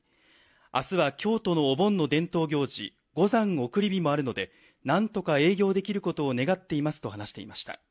あすは京都のお盆の伝統行事、五山送り火もあるのでなんとか営業できることを願っていますと話していました。